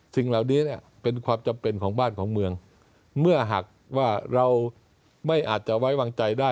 สิ่งเหล่านี้เนี่ยเป็นความจำเป็นของบ้านของเมือง